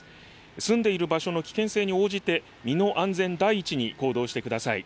住んでいる場所の危険性に応じて身の安全第一に行動してください。